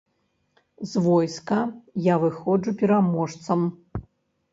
З войска я выходжу пераможцам.